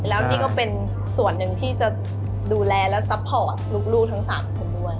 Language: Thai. แล้วนี่ก็เป็นส่วนหนึ่งที่จะดูแลและซัพพอร์ตลูกทั้ง๓คนด้วย